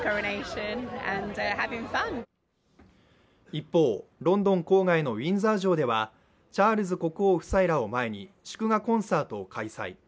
一方、ロンドン郊外のウィンザー城ではチャールズ国王夫妻らを前に祝賀コンサートを開催。